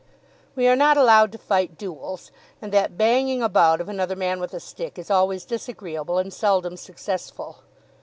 We are not allowed to fight duels, and that banging about of another man with a stick is always disagreeable and seldom successful.